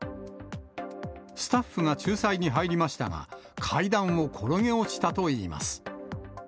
スタッフが仲裁に入りましたが、階段を転げ落ちたといいます。